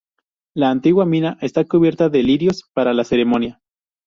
La antigua mina está cubierta de lirios para la ceremonia.